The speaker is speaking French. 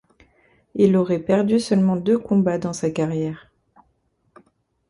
Il aurait perdu seulement deux combats dans sa carrière.